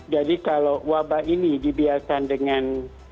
jadi kalau wabah ini dibiasakan dengan